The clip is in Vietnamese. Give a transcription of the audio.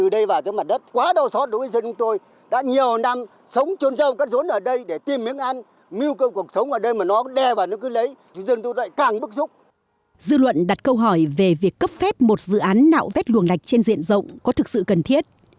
dư luận đặt câu hỏi về việc cấp phép một dự án nạo vét luồng lạch trên diện rộng có thực sự cần thiết